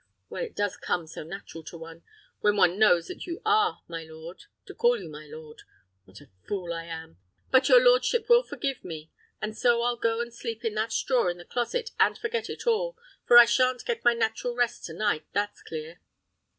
Well, it does come so natural to one, when one knows that you are my lord, to call you my lord. What a fool I am! But your lordship will forgive me; and so I'll go and sleep in that straw in the closet, and forget it all, for I shan't get my natural rest to night, that's clear."